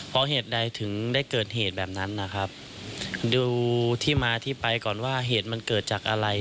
เพราะเหตุใดถึงได้เกิดเหตุแบบนั้นนะครับดูที่มาที่ไปก่อนว่าเหตุมันเกิดจากอะไร